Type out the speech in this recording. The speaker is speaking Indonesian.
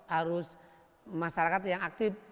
harus masyarakat yang aktif